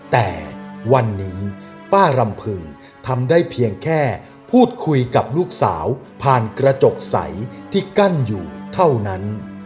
แต่วันนี้ป้ารำพึงทำได้เพียงแค่พูดคุยกับลูกสาวผ่านกระจกใสที่กั้นอยู่เท่านั้น